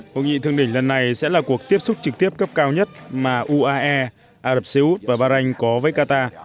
hội nghị thượng đỉnh lần này sẽ là cuộc tiếp xúc trực tiếp cấp cao nhất mà uae ả rập xê út và bahrain có với qatar